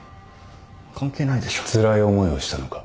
つらい思いをしたのか？